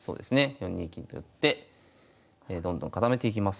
４二金と寄ってどんどん固めていきます。